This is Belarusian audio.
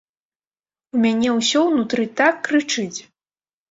У мяне ўсё ўнутры так крычыць!